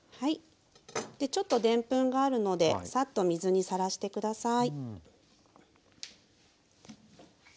でちょっとでんぷんがあるのでサッと水にさらして下さい。